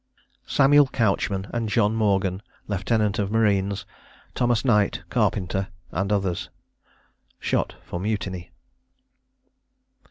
SAMUEL COUCHMAN AND JOHN MORGAN, LIEUTENANTS OF MARINES; THOMAS KNIGHT, CARPENTER, AND OTHERS. SHOT FOR MUTINY.